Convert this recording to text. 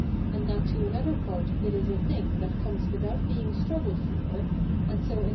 id that to another part it is a thing that comes without being struggled for, and so in